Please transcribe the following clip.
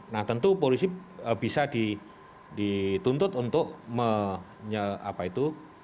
nah tentu polisi bisa dituntut untuk menyalahkan